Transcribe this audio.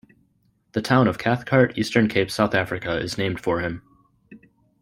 The town of Cathcart, Eastern Cape, South Africa is named for him.